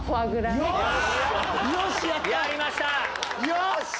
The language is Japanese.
よし！